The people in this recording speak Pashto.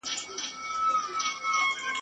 دا یې هېر سول چي پردي دي وزرونه !.